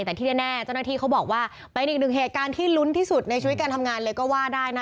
แต่ที่แน่เจ้าหน้าที่เขาบอกว่าเป็นอีกหนึ่งเหตุการณ์ที่ลุ้นที่สุดในชีวิตการทำงานเลยก็ว่าได้นะ